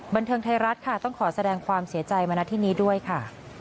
บันเทิงไทยรัฐค่ะต้องขอแสดงความเสียใจมาณที่นี้ด้วยค่ะ